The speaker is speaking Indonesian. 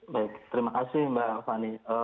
baik terima kasih mbak fani